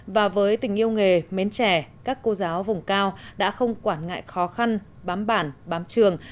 và với tình yêu nghề mến trẻ các cô giáo vùng cao đã không quản ngại khó khăn bám bản bám trường